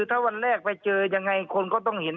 ถ้าวันแรกไปเจอยังไงคนก็ต้องเห็น